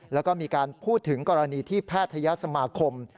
แล้วก็มีการพูดถึงกรณีที่แพทยสมาคม